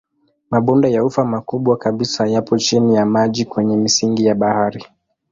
Mabonde ya ufa makubwa kabisa yapo chini ya maji kwenye misingi ya bahari.